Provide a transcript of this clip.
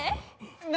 何？